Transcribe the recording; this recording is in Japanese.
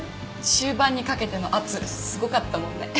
終盤にかけての圧すごかったもんね。